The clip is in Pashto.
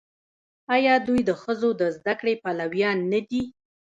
آیا دوی د ښځو د زده کړې پلویان نه دي؟